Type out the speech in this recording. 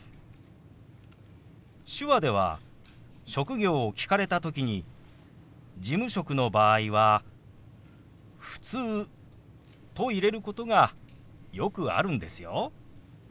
手話では職業を聞かれた時に事務職の場合は「ふつう」と入れることがよくあるんですよ。